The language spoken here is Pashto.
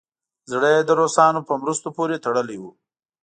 زړه یې د روسانو په مرستو پورې تړلی وو.